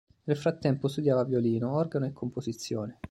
Nel frattempo studiava violino, organo e composizione.